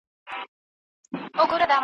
دواړه ډولونه ګټې لري.